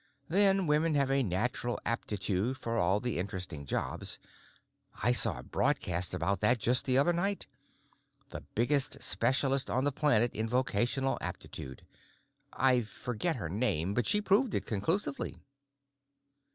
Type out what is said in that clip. Then, women have a natural aptitude for all the interesting jobs. I saw a broadcast about that just the other night. The biggest specialist on the planet in vocational aptitude. I forget her name, but she proved it conclusively."